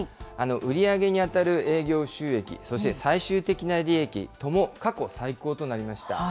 売り上げに当たる営業収益、そして最終的な利益とも過去最高となりました。